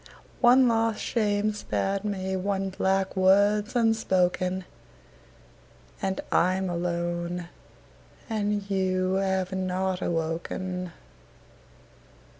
One last shame's spared me, one black word's unspoken; And I'm alone; and you have not awoken.